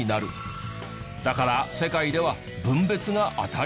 だから世界では分別が当たり前。